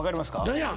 何や？